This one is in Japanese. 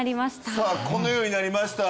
さあこのようになりました。